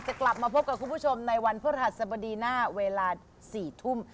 กลับมาพบกับคุณผู้ชมในวันพฤหัสบดีหน้าเวลา๔ทุ่ม